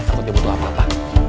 takut dia butuh apa apa